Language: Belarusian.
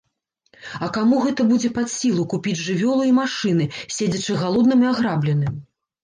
А каму гэта будзе пад сілу купіць жывёлу і машыны, седзячы галодным і аграбленым?